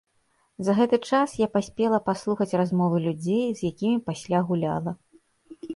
За гэты час я паспела паслухаць размовы людзей, з якімі пасля гуляла.